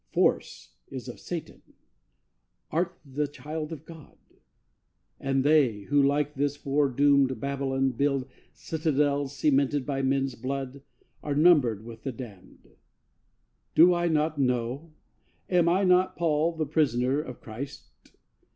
Force is of Satan; Art the child of God; And they, who like this foredoomed Babylon Build citadels cemented by men's blood, Are numbered with the damned! Do I not know? Am I not Paul, the prisoner of Christ?